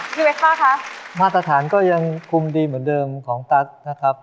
เวสป้าคะมาตรฐานก็ยังคุมดีเหมือนเดิมของตัสนะครับ